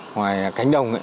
ngoài cánh đồng